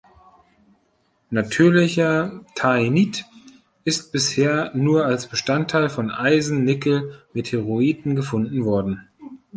Natürlicher Taenit ist bisher nur als Bestandteil von Eisen-Nickel-Meteoriten gefunden worden.